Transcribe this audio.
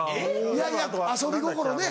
いやいや遊び心ね。